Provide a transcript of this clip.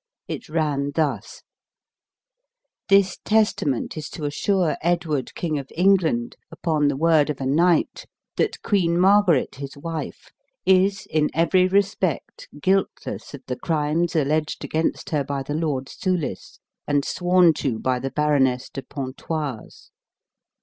It ran thus: "This testament is to assure Edward, King of England, upon the word of a knight, that Queen Margaret, his wife, is in every respect guiltless of the crimes alleged against her by the Lord Soulis, and sworn to by the Baroness de Pontoise.